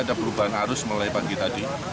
ada perubahan arus mulai pagi tadi